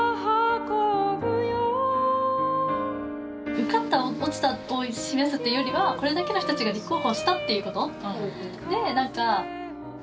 受かった落ちたを示すというよりはこれだけの人たちが立候補したっていうこと。